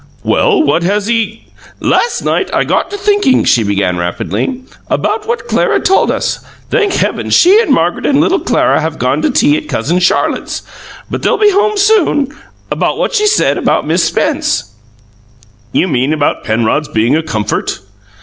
"Well, what has he " "Last night I got to thinking," she began rapidly, "about what Clara told us thank Heaven she and Margaret and little Clara have gone to tea at Cousin Charlotte's! but they'll be home soon about what she said about Miss Spence " "You mean about Penrod's being a comfort?"